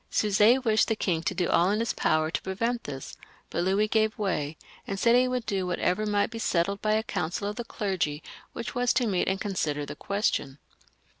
Suger wished the king to do all in his power to prevent this, but Louis gave way, and said he would do whatever might be settled by a council of the clergy which was to meet and consider the question.